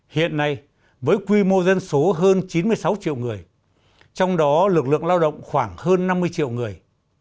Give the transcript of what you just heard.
hiện nay với quy mô dân số hơn chín mươi sáu triệu người trong đó lực lượng lao động khoảng hơn năm mươi triệu người